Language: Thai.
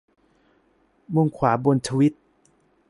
มุมขวาบนทวีต